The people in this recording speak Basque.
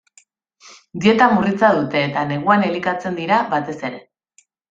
Dieta murritza dute eta neguan elikatzen dira, batez ere.